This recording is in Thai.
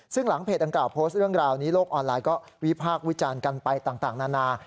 ซึ่งหลังเพจดังกล่าวโพสต์เรื่องราวนี้โลกออนไลน์ก็วิพากษ์วิจารณ์กันไปต่างนานา